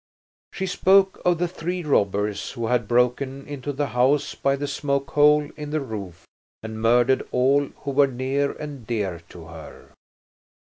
She spoke of the three robbers who had broken into the house by the smoke hole in the roof and murdered all who were near and dear to her.